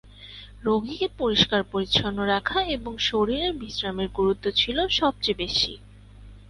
রোগীকে পরিষ্কার পরিচ্ছন্ন রাখা ও শরীরের বিশ্রামের গুরুত্ব ছিল সবচেয়ে বেশি।